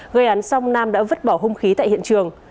gây án xong nam đã vứt bỏ hung khí tại hiện trường